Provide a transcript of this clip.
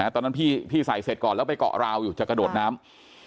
ตอนนั้นพี่ใส่เสร็จก่อนแล้วไปเกาะราวอยู่จะกระโดดน้ำ